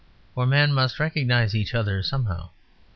For men must recognise each other somehow.